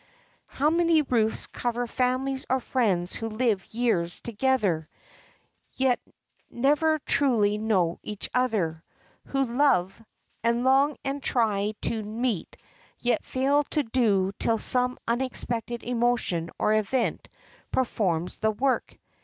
How many roofs cover families or friends who live years together, yet never truly know each other; who love, and long and try to meet, yet fail to do so till some unexpected emotion or event performs the work.